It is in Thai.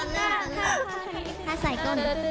น่ารัก